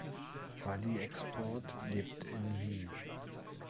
Valie Export lebt in Wien.